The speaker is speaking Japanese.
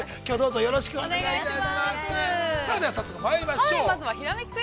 ◆よろしくお願いします。